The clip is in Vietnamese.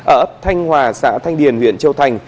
ở thanh hòa xã thanh điền huyện châu thành